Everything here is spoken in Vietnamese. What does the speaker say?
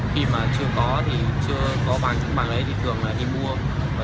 khi mà chưa có bằng lấy thì thường là đi mua